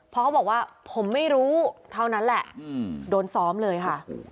พอเขาบอกว่าผมไม่รู้เท่านั้นแหละโดนซ้อมเลยค่ะ